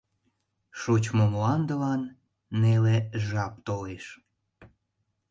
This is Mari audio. Шочмо мландылан неле жап толеш.